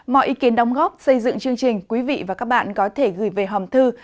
mọi ý kiến đóng góp xây dựng chương trình quý vị và các bạn có thể gửi về hòm thư